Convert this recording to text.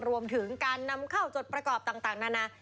รวมถึงการนำเข้าจดประกอบต่างนานา